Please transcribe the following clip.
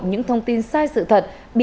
những thông tin sai sự thật